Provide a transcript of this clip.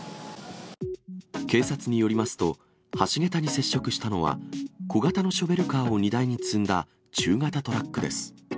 警察によりますと、橋桁に接触したのは、小型のショベルカーを荷台に積んだ中型トラックです。